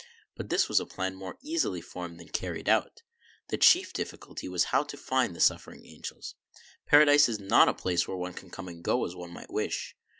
But this was a plan more easily formed than carried out. The chief difficulty was how to find the suffering angel. Para dise is not a place where one can come and go as one might wish.